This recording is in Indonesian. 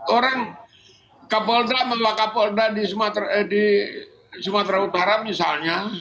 orang kapolda menteri kapolda di sumatera utara misalnya